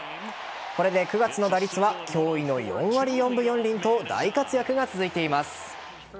これで、９月の打率は驚異の４割４分４厘と大活躍が続いています。